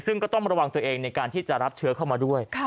ซึ่งก็ต้องระวังตัวเองในการที่จะรับเชื้อเข้ามาด้วย